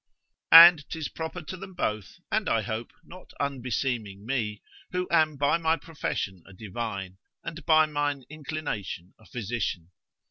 And 'tis proper to them both, and I hope not unbeseeming me, who am by my profession a divine, and by mine inclination a physician.